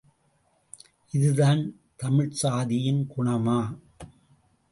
இதுதான் தமிழ்ச் சாதியின் குணமா?